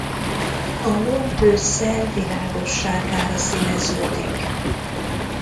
A lomb ősszel világossárgára színeződik.